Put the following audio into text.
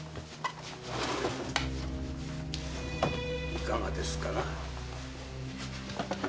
いかがですかな？